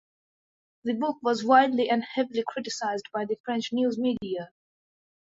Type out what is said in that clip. The book was widely and heavily criticized by the French news media.